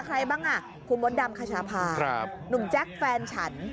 ใครบ้างอ่ะคุณมดดำคชาพาหนุ่มแจ๊คแฟนฉัน